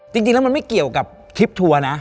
จริงแล้วมันไม่เกี่ยวกับคลิปทัวร์นะ